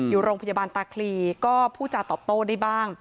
อยู่โรงพยาบาลตาคลีก็พูดจาตอบโต้ได้บ้าง